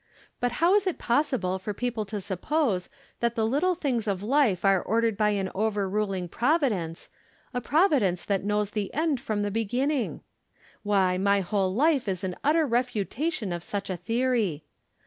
But how is it possible for people to suppose that the little things of life are ordered by an overruling Providence, a Providence that knows the end from the beginning ! Why my whole life is an utter refutation of such a theory.